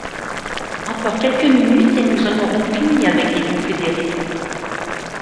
Encore quelques minutes, et nous en aurons fini avec les Confédérés.